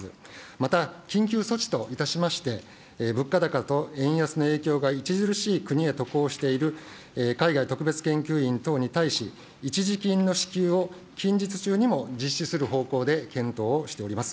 また、緊急措置といたしまして、物価高と円安の影響が著しい国へ渡航している海外特別研究員等に対し、一時金の支給を近日中にも実施する方向で検討をしております。